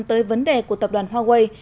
tới vấn đề của tập đoàn huawei